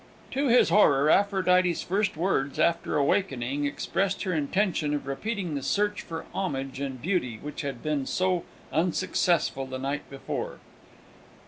To his horror, Aphrodite's first words, after awaking, expressed her intention of repeating the search for homage and beauty, which had been so unsuccessful the night before!